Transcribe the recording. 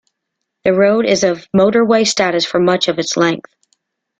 The road is of motorway status for much of its length.